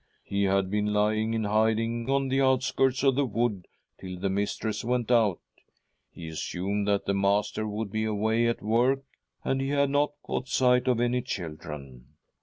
He had been lying in hiding, on the outskirts of the wood, till the mistress went out — he assumed that the master would be away at work, and he had not caught sight of any children.